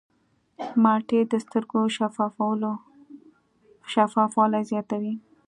مالټې د سترګو شفافوالی زیاتوي.